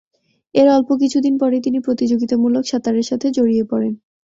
এর অল্প কিছুদিন পরই তিনি প্রতিযোগিতামূলক সাঁতারের সাথে জড়িয়ে পড়েন।